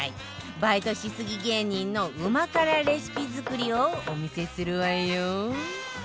バイトしすぎ芸人のうま辛レシピ作りをお見せするわよ